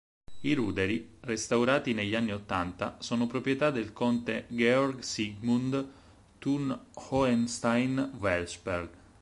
I ruderi, restaurati negli anni ottanta, sono proprietà del conte Georg Siegmund Thun-Hohenstein-Welsperg.